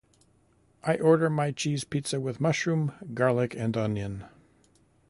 I order my cheese pizza with mushroom, garlic, and onion.